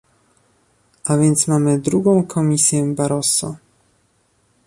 A więc mamy drugą Komisję Barroso